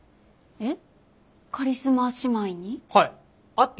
えっ？